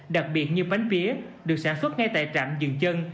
đặc biệt như bánh phía được sản xuất ngay tại trạm dường chân